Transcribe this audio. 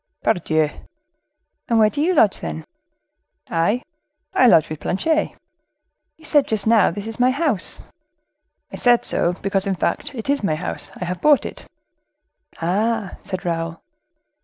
"Pardieu!" "And where do you lodge, then?" "I? I lodge with Planchet." "You said, just now, 'This is my house.'" "I said so, because, in fact, it is my house. I have bought it." "Ah!" said Raoul.